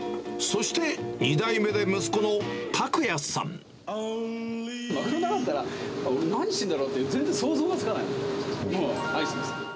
そして、２代目で息子の拓哉マグロなかったら、俺、何してんだろうって、全然想像がつかない。